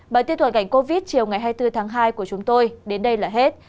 bài tiết thuận cảnh covid chiều ngày hai mươi bốn tháng hai của chúng tôi đến đây là hết